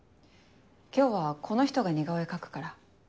今日はこの人が似顔絵描くから。